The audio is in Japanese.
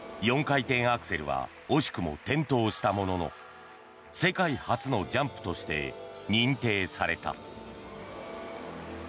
４回転アクセルは惜しくも転倒したものの世界初のジャンプとして認定された。